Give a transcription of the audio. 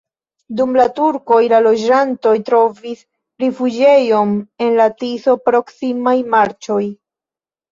Dum la turkoj la loĝantoj trovis rifuĝejon en la Tiso-proksimaj marĉoj.